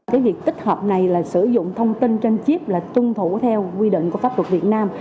cái việc tích hợp này là sử dụng thông tin trên chip là tuân thủ theo quy định của pháp luật việt nam